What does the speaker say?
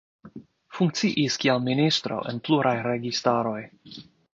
Funkciis kiel ministro en pluraj registaroj.